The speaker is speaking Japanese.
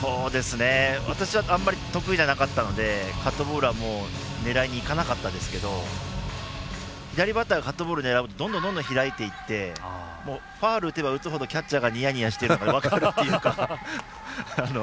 私はあまり得意じゃなかったのでカットボールは狙いにいかなかったですけど左バッターはカットボールを狙うとどんどん開いていってファウルを打てば打つほどキャッチャーがにやにやしてるの分かるっていうか。